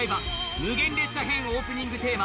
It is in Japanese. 無限列車編オープニングテーマ